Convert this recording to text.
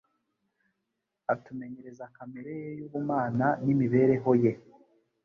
atumenyereze kamere ye y'ubumana n'imibereho ye.